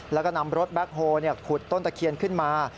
แล้วก็นำรถแบ็คโฮลขุดต้นตะเคียนขึ้นมา